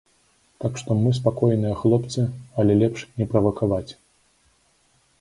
Так што, мы спакойныя хлопцы, але лепш не правакаваць.